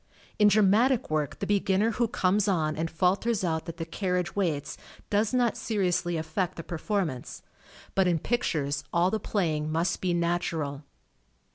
In dramatic work the beginner who comes on and falters out that the carriage waits, does not seriously affect the perform ance, but in pictures all the playing must be natural.